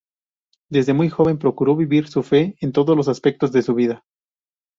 Desde muy joven, procuró vivir su fe en todos los aspectos de su vida.